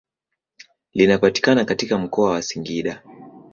Linapatikana katika mkoa wa Singida.